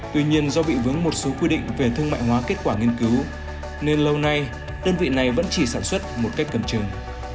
tuy nhiên do bị vướng một số quy định về thương mại hóa kết quả nghiên cứu nên lâu nay đơn vị này vẫn chỉ sản xuất một cách cầm chừng